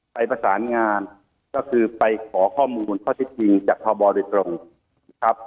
ไปประสานงานก็คือไปขอข้อมูลข้อเท็จจริงจากพบโดยตรงนะครับ